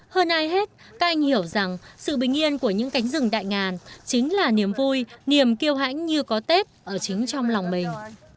hơn ai hết các anh hiểu rằng sự bình yên của những cánh rừng đại ngàn chính là niềm vui niềm kêu hãnh như có tết ở chính trong lòng mình